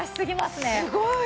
すごい！